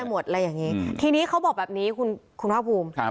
ได้หมดอะไรอย่างนี้ทีนี้เขาบอกแบบนี้คุณพระอาบูม